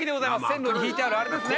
線路に敷いてあるあれですね。